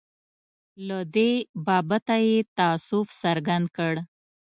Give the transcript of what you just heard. له دې بابته یې تأسف څرګند کړ.